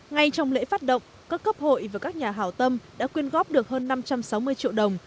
ngay trong lễ phát động các cấp hội và các nhà hảo tâm đã quyên góp được hơn năm trăm sáu mươi triệu đồng